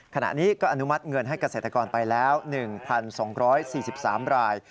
ขณะนี้ก็อนุมัติเงินให้เกษตรกรไปแล้ว๑๒๔๓ราย